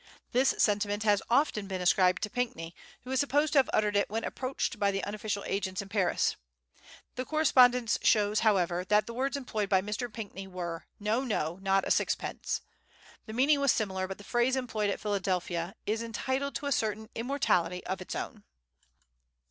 This sentiment has often been ascribed to Pinckney, who is supposed to have uttered it when approached by the unofficial agents in Paris. The correspondence shows, however, that the words employed by Mr. Pinckney were, "No, no; not a sixpence!" The meaning was similar, but the phrase employed at Philadelphia is entitled to a certain immortality of its own.